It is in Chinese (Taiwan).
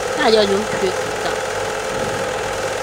大家都缺口罩